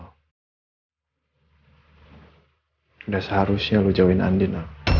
udah seharusnya lo jauhin andin